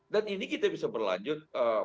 dan ini kita bisa berlanjut